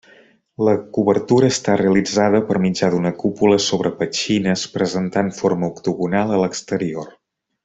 La cobertura està realitzada per mitjà d'una cúpula sobre petxines, presentant forma octogonal a l'exterior.